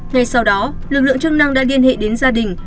ngay sau đó lực lượng chức năng đã liên hệ đến gia đình